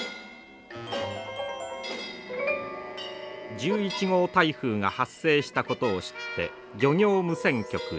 １１号台風が発生したことを知って漁業無線局へ。